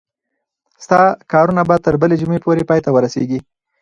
ستا کارونه به تر بلې جمعې پورې پای ته ورسیږي.